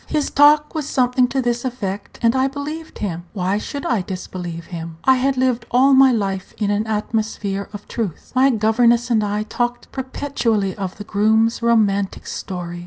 His talk was something to this effect, and I believed him. Why should I disbelieve him? I had lived all my life in an atmosphere of truth. My governess and I talked perpetually of the groom's romantic story.